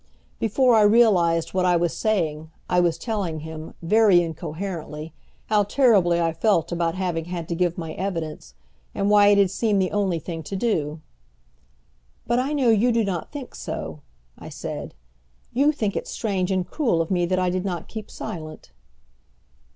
Before I realized what I was saying I was telling him, very incoherently, how terribly I felt about having had to give my evidence, and why it had seemed the only thing to do. "But I know you do not think so," I said. "You think it strange and cruel of me that I did not keep silent."